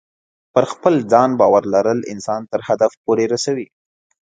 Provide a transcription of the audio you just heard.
پر خپل ځان باور لرل انسان تر هدف پورې رسوي.